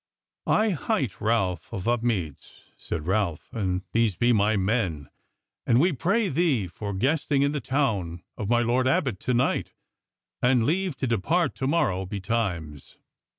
"I hight Ralph of Upmeads," said Ralph, "and these be my men: and we pray thee for guesting in the town of my Lord Abbot to night, and leave to depart to morrow betimes."